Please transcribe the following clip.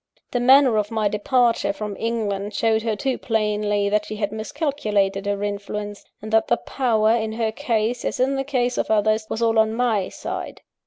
_ The manner of my departure from England showed her too plainly that she had miscalculated her influence, and that the power, in her case, as in the case of others, was all on my side.